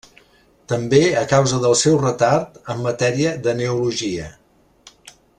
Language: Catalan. També a causa del seu retard en matèria de neologia.